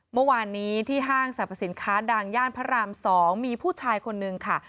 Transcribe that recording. เมื่อวานนี้ที่ห้างสรรพสินค้าดังย่านพระราม๒มีผู้ชายคนนึงค่ะ